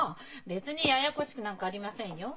別にややこしくなんかありませんよ。